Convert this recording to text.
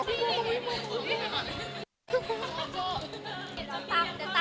ขอบคุณค่ะ